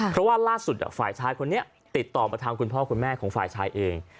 เพราะว่าล่าสุดฝ่ายชายคนนี้ติดต่อมาทางคุณพ่อคุณแม่ของฝ่ายชายเอง